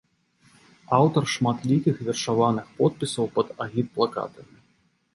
Аўтар шматлікіх вершаваных подпісаў пад агітплакатамі.